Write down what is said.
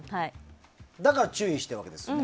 だから注意してるわけですよね。